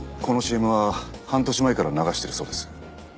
このＣＭは半年前から流してるそうです。